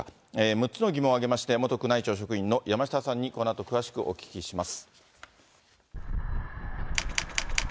６つの疑問を挙げまして、元宮内庁職員山下さんにこのあと、詳しくお聞きします。